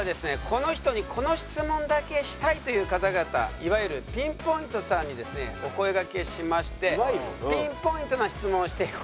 この人にこの質問だけしたいという方々いわゆるピンポイントさんにですねお声がけしましてピンポイントな質問をしていこうという企画です。